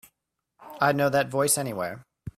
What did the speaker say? I'd know that voice anywhere.